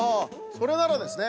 それならですね